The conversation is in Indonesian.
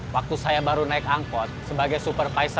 waktu saya baru naik angkot sebagai supervisor